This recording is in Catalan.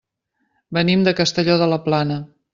Venim de Castelló de la Plana.